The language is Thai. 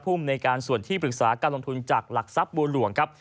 ภูมิในการส่วนที่ปรึกษาการลงทุนจากหลักทรัพย์บัวหลวงครับ